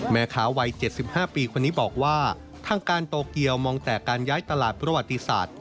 แม่ขาววัย๗๕ปีคนนี้บอกว่าทางการโตเกียวมองแต่การย้ายตลาดเพราะอธิษฐศ